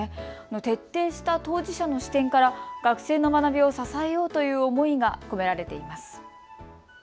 徹底した当事者の視点から学生の学びを支えようという思いが込められています。